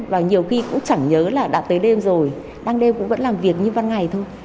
và nhiều khi cũng chẳng nhớ là đã tới đêm rồi ban đêm cũng vẫn làm việc như ban ngày thôi